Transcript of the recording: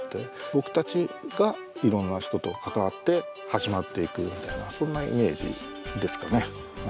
僕たちがいろんな人と関わって始まっていくみたいなそんなイメージですかね。